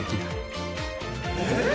えっ？